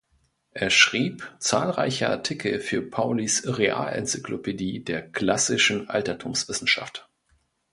Er schrieb zahlreiche Artikel für Paulys Realencyclopädie der classischen Altertumswissenschaft.